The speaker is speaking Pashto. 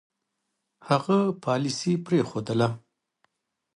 هغه پالیسي پرېښودله.